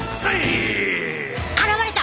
現れた！